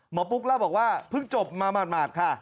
ปุ๊กเล่าบอกว่าเพิ่งจบมาหมาดค่ะ